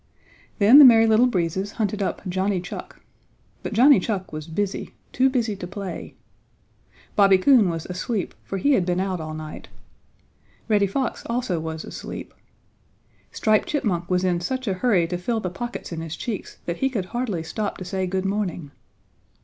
Then the Merry Little Breezes hunted up Johnny Chuck. But Johnny Chuck was busy, too busy to play. Bobby Coon was asleep, for he had been out all night. Reddy Fox also was asleep. Striped Chipmunk was in such a hurry to fill the pockets in his cheeks that he could hardly stop to say good morning.